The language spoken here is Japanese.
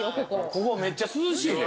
ここめっちゃ涼しいで。